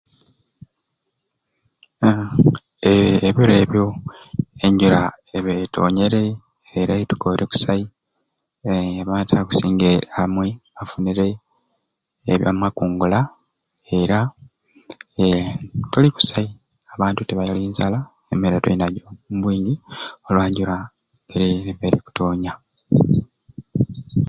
Haaa eeeh ebiro ebyo enjura etonyere era etukore kusai eeeh abantu abakusinga amwei bafunire amakungula era eeeh tuli kusai abantu tebali nzala emere tuli najjo mubwingi olwa njura eeeh ebeire ekutonya